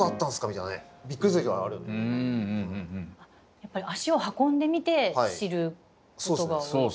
やっぱり足を運んでみて知ることが多いですか？